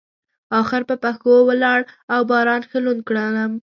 اخر په پښو لاړم او باران ښه لوند کړلم.